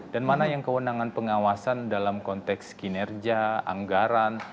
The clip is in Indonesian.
dan mana yang kewenangan pengawasan dalam konteks kinerja anggaran